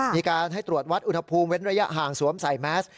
มีการให้ตรวจวัดอุณหภูมิเว้นระยะห่างสวมใส่แมส